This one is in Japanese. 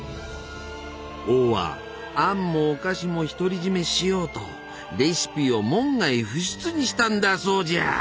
王はアンもお菓子も独り占めしようとレシピを門外不出にしたんだそうじゃ！